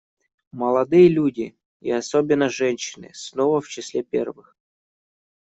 Молодые люди — и особенно женщины — снова в числе первых.